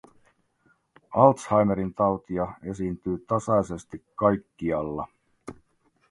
Alzheimerin tautia esiintyy tasaisesti kaikkialla.